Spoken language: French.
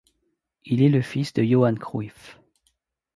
Il est le fils de Johan Cruyff.